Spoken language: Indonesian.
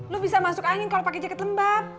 lo bisa masuk angin kalo pake jaket lembab